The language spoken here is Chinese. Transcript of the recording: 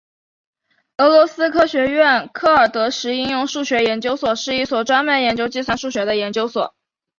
俄罗斯科学院克尔德什应用数学研究所是一所专门研究计算数学的研究所。